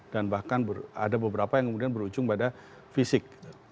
dan bahkan ada beberapa yang kemudian berujung pada fisik